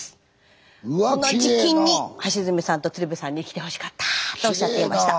この時期に橋爪さんと鶴瓶さんに来てほしかったとおっしゃっていました。